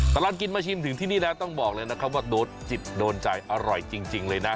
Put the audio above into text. ตลอดกินมาชิมถึงที่นี่แล้วต้องบอกเลยนะครับว่าโดนจิตโดนใจอร่อยจริงเลยนะ